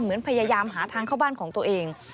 เหมือนพยายามหาทางเข้าบ้านของตัวเอง